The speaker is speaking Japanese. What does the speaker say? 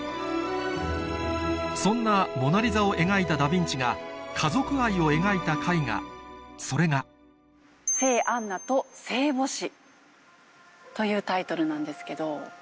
そんな『モナ・リザ』を描いたダ・ヴィンチが家族愛を描いた絵画それがというタイトルなんですけど。